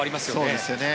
そうですね。